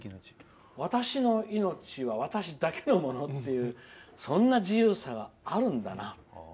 私の命は私だけのものというそんな自由さはあるんだなと。